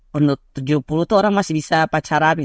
menurut tujuh puluh tuh orang masih bisa pacaran